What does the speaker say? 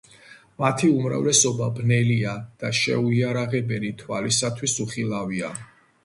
მათი უმრავლესობა ბნელია და შეუიარაღებელი თვალისათვის უხილავია.